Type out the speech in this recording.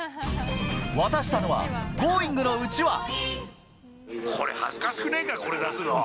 渡したのは、Ｇｏｉｎｇ！のこれ、恥ずかしくねぇか、これ出すの。